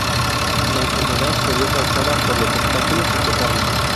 La enfermedad sería causada por los obstáculos, sin tocarlo.